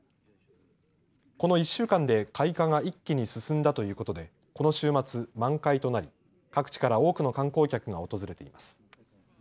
この１週間で開花が一気に進んだということでこの週末満開となり各地から多くの観光客が訪れています。